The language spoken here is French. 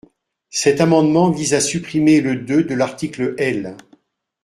Cet amendement vise à supprimer le deux° de l’article L.